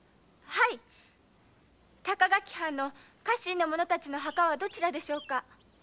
高垣藩の家臣の者たちの墓はどちらでしょうか？